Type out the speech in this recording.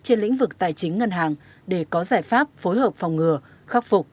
trên lĩnh vực tài chính ngân hàng để có giải pháp phối hợp phòng ngừa khắc phục